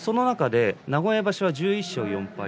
名古屋場所は１１勝４敗。